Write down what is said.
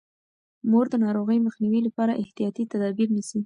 مور د ناروغۍ مخنیوي لپاره احتیاطي تدابیر نیسي.